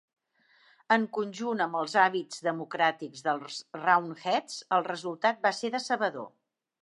En conjunt amb els hàbits democràtics dels "Roundheads", el resultat va ser decebedor.